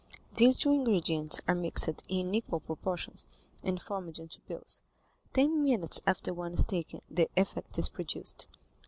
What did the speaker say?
These two ingredients are mixed in equal proportions, and formed into pills. Ten minutes after one is taken, the effect is produced.